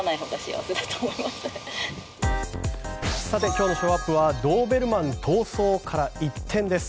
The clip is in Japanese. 今日のショーアップはドーベルマン逃走から一転です。